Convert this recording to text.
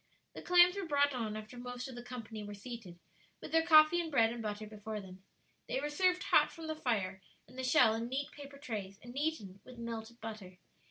The clams were brought on after the most of the company were seated, with their coffee and bread and butter before them. They were served hot from the fire and the shell, in neat paper trays, and eaten with melted butter.